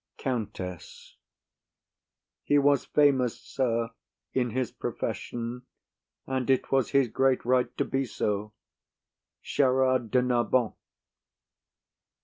COUNTESS. He was famous, sir, in his profession, and it was his great right to be so: Gerard de Narbon.